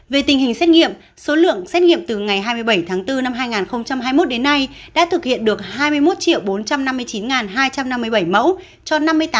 về tình hình xét nghiệm số lượng xét nghiệm từ ngày hai mươi bảy tháng bốn năm hai nghìn hai mươi một đến nay đã thực hiện được hai mươi một bốn trăm năm mươi chín hai trăm năm mươi bảy mẫu cho năm mươi tám bảy trăm chín mươi hai hai trăm tám mươi ba lượt người